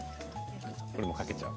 これも、かけちゃう。